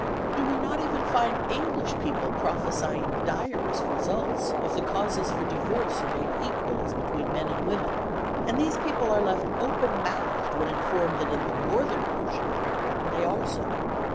Do we not even find English people prophesying direst results if the causes for divorce are made equal as between men and women, and these people are left open mouthed when informed that in the northern portion of Great Britain they are so?